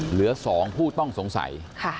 เหลือ๒ผู้ต้องสงสัย